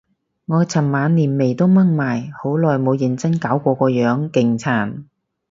我尋晚連眉都掹埋，好耐冇認真搞過個樣，勁殘